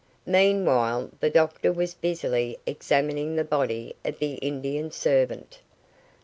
Meanwhile the doctor was busily examining the body of the Indian servant.